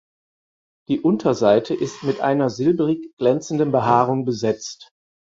Die Unterseite ist mit einer silbrig glänzenden Behaarung besetzt.